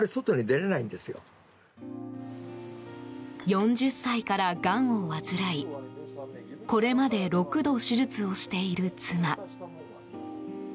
４０歳からがんを患いこれまで６度手術をしている妻。